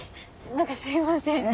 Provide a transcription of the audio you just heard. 何かすいません。